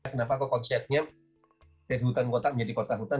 kenapa kok konsepnya dari hutan kota menjadi kota hutan